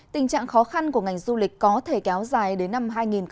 tình trạng khó khăn của ngành du lịch có thể kéo dài đến năm hai nghìn hai mươi